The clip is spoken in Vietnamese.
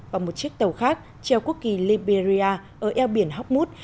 và một chiếc tàu khác treo quốc kỳ liberia ở eo biển hockmoot